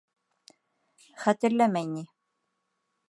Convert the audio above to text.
— Хәтерләмәй ни!